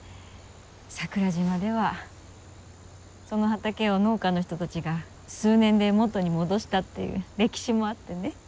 桜島ではその畑を農家の人たちが数年で元に戻したっていう歴史もあってね。